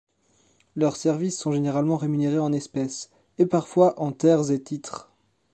Leurs services sont généralement rémunérés en espèces, et parfois en terres et titres.